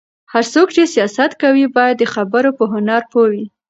هر څوک چې سياست کوي، باید د خبرو په هنر پوه وي.